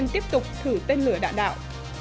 tiếp tục thử tên lửa đạn đạo